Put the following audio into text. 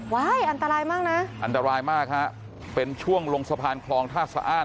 อันตรายมากนะอันตรายมากฮะเป็นช่วงลงสะพานคลองท่าสะอ้าน